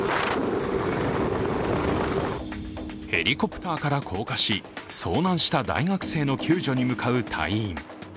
ヘリコプターから降下し遭難した大学生の救助に向かう隊員。